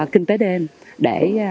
kinh tế đêm để